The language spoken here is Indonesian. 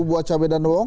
buat cabai dan bawang